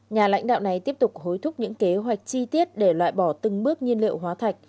nhà lãnh đạo này tiếp tục hối thúc những kế hoạch chi tiết để loại bỏ từng bước nhiên liệu hóa thạch